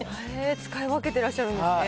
使い分けてらっしゃるんですね。